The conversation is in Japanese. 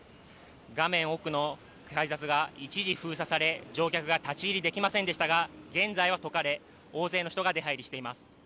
画面奥の改札が一時封鎖され乗客が立ち入りできませんでしたが現在はとかれ、大勢の人が出入りしています。